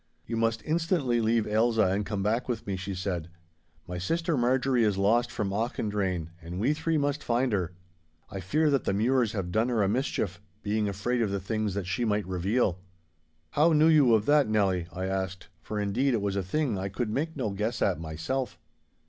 'You must instantly leave Ailsa and come back with me,' she said. 'My sister Marjorie is lost from Auchendrayne, and we three must find her. I fear that the Mures have done her a mischief, being afraid of the things that she might reveal.' 'How knew you of that, Nelly?' I asked, for, indeed, it was a thing I could make no guess at myself.